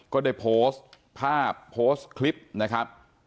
ก็ได้โพสต์ภาพโพสต์คลิปนะครับ